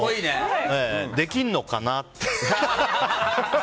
できんのかなって。